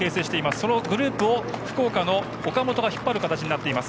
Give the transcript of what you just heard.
そのグループを福岡の岡本が引っ張る形です。